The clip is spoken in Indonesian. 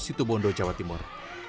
situbondo jawa timur